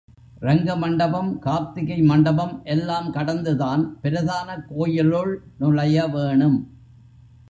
ரங்க மண்டபம் கார்த்திகை மண்டபம் எல்லாம் கடந்துதான் பிரதானக் கோயிலுள் நுழைய வேணும்.